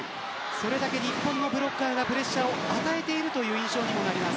それだけ日本のブロッカーがプレッシャーを与えているということです。